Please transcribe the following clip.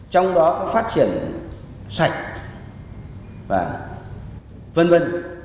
trong đó có phát triển sạch và vân vân